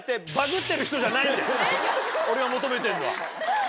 俺が求めてるのは。